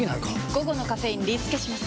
午後のカフェインリスケします！